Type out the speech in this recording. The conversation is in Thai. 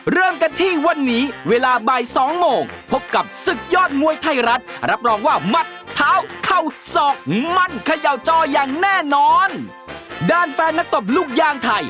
เริ่มกันที่วันนี้เวลาบ่าย๒โมง